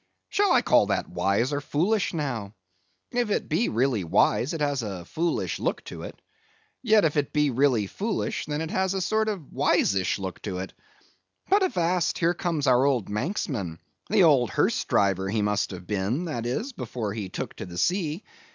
"Shall I call that wise or foolish, now; if it be really wise it has a foolish look to it; yet, if it be really foolish, then has it a sort of wiseish look to it. But, avast; here comes our old Manxman—the old hearse driver, he must have been, that is, before he took to the sea.